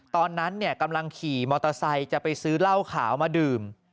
ตอนนั้นกำลังขี่มอเตอร์ไซค์จะไปซื้อเหล้าขาวมาดื่ม